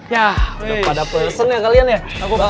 ya udah pada pesen ya kalian ya